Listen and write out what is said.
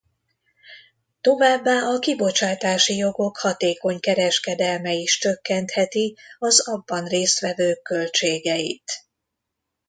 Továbbá a kibocsátási jogok hatékony kereskedelme is csökkentheti az abban résztvevők költségeit.